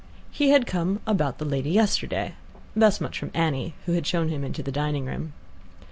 He had come "about the lady yesterday." Thus much from Annie, who had shown him into the dining room.